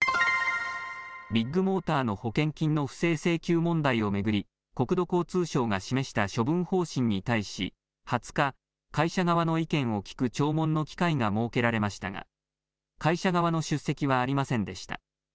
ビッグモーターの保険金の不正請求問題を巡り、国土交通省が示した処分方針に対し、２０日、会社側の意見を聞く聴聞の機会が設けられましたが、会社側の出席はありませんでした。